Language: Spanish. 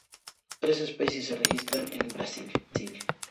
Tres especies se registran en el Brasil.